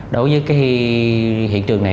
đối với cái hiện trường này